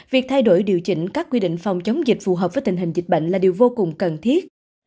việc thay đổi điều chỉnh các quy định phòng chống dịch phù hợp với tình hình dịch bệnh là điều vô cùng cần thiết